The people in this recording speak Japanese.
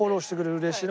うれしいな。